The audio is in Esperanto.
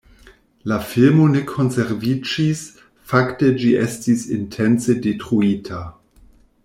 La filmo ne konserviĝis, fakte ĝi estis intence detruita.